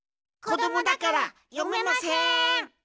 こどもだからよめません。